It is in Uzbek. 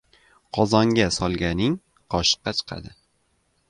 • Qozonga solganing qoshiqqa chiqadi.